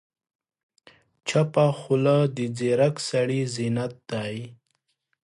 چپه خوله، د ځیرک سړي زینت دی.